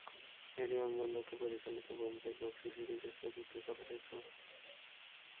এটি অঞ্জন দত্ত পরিচালিত ব্যোমকেশ বক্সী সিরিজের চতুর্থ চলচ্চিত্র।